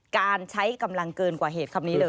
การใช้กำลังเกินกว่าเหตุคำนี้เลย